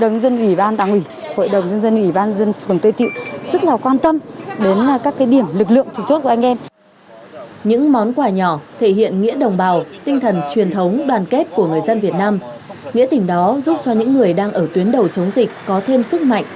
nghĩa tình đó giúp cho những người đang ở tuyến đầu chống dịch có thêm sức mạnh